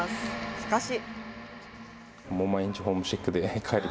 しかし。